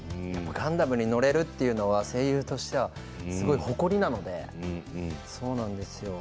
ガンダムに乗れるというのは声優としては誇りなので。